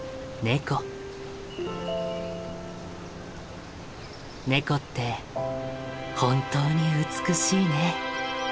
ネコって本当に美しいね。